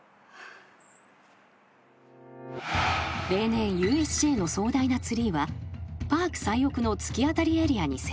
［例年ＵＳＪの壮大なツリーはパーク最奥の突き当たりエリアに設置］